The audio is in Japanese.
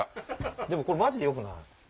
これマジでよくない？